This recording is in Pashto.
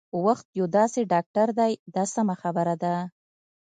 وخت یو داسې ډاکټر دی دا سمه خبره ده.